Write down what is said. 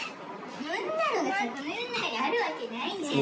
そんなのがさカメラの中にあるわけないじゃん・